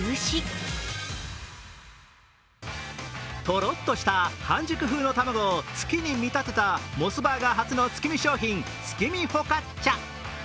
とろっとした半熟風の卵を月に見立てたモスバーガー初の月見商品月見フォカッチャ。